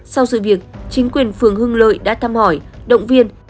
sau sự việc chính quyền phường hưng lợi đã thăm hỏi động viên